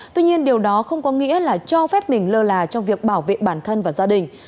tuy nhiên điều đó không có nghĩa là cho phép mình lơ là trong việc bảo vệ bản thân và gia đình